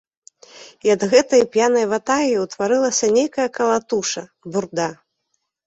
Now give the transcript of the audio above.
І ад гэтае п'янай ватагі ўтварылася нейкая калатуша, бурда.